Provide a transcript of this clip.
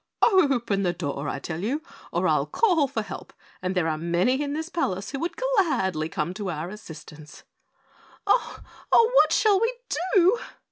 Open the door, I tell you, or I'll call for help and there are many in this palace who would gladly come to our assistance." "Oh! Oh! What shall we do?"